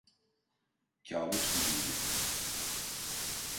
Kabus gibiydi.